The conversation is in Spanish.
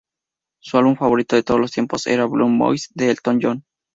Su álbum favorito de todos los tiempos era Blue Moves de Elton John.